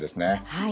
はい。